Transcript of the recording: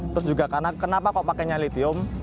terus juga kenapa kok pakainya lithium